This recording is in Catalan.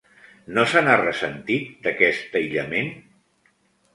No se n'ha ressentit, d'aquest aïllament?